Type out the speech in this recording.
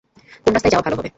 কোন রাস্তায় যাওয়া ভালো হবে?